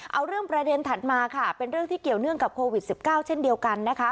เอาเรื่องประเด็นถัดมาค่ะเป็นเรื่องที่เกี่ยวเนื่องกับโควิด๑๙เช่นเดียวกันนะคะ